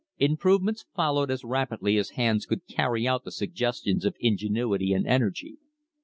Improvements fol lowed as rapidly as hands could carry out the suggestions of ingenuity and energy.